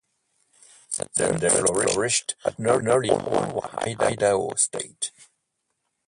Sanders flourished at nearly all-white Idaho State.